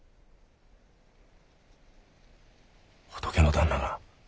仏の旦那が。